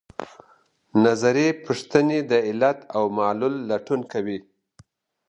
نظري پوښتنې د علت او معلول لټون کوي.